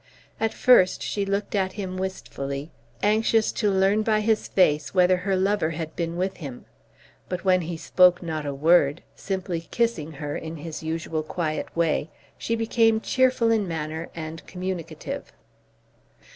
At first she looked at him wistfully, anxious to learn by his face whether her lover had been with him. But when he spoke not a word, simply kissing her in his usual quiet way, she became cheerful in manner and communicative.